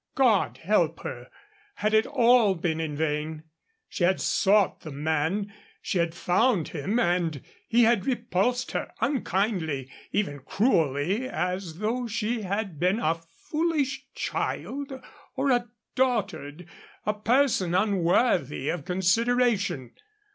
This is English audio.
God help her! Had it all been in vain? She had sought the man, she had found him, and he had repulsed her unkindly, even cruelly, as though she had been a foolish child or a dotard a person unworthy of consideration.